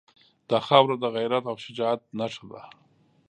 دا خاوره د غیرت او شجاعت نښه ده.